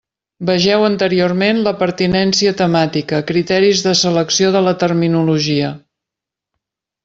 Vegeu anteriorment La pertinència temàtica: criteris de selecció de la terminologia.